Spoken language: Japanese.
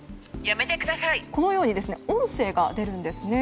このように音声が出るんですね。